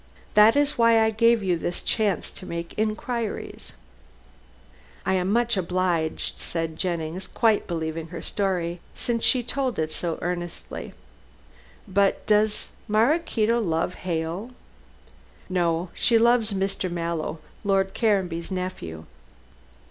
That is why I gave you this chance of making inquiries." "I am much obliged," said Jennings quite believing her story, since she told it so earnestly: "but does Maraquito love Hale?" "No. She loves Mr. Mallow, Lord Caranby's nephew."